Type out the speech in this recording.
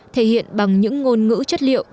thể hiện bằng những ngôn ngữ chất liệu